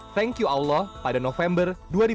thank you allah pada november dua ribu sembilan